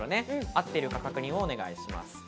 あってるか確認をお願いします。